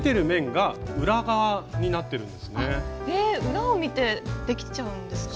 裏を見てできちゃうんですか？